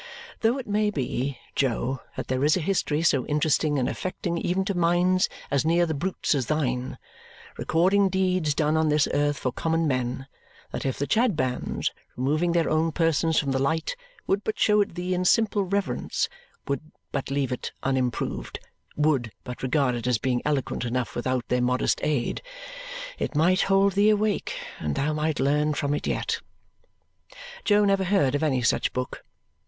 Though it may be, Jo, that there is a history so interesting and affecting even to minds as near the brutes as thine, recording deeds done on this earth for common men, that if the Chadbands, removing their own persons from the light, would but show it thee in simple reverence, would but leave it unimproved, would but regard it as being eloquent enough without their modest aid it might hold thee awake, and thou might learn from it yet! Jo never heard of any such book.